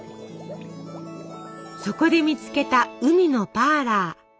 そこで見つけた海のパーラー。